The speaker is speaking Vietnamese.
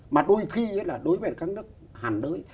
mà đôi khi là đối với các nước hàn đới